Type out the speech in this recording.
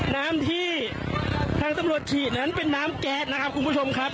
น้ำที่ทางตำรวจฉีดนั้นเป็นน้ำแก๊สนะครับคุณผู้ชมครับ